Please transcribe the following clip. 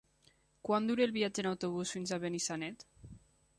Quant dura el viatge en autobús fins a Benissanet?